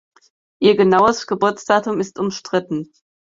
Ihr genaues Geburtsdatum ist umstritten.